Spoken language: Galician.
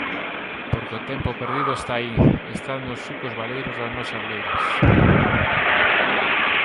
Porque o tempo perdido está aí, está nos sucos baleiros das nosas leiras.